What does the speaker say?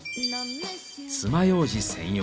つまようじ専用。